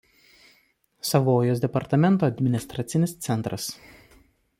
Savojos departamento administracinis centras.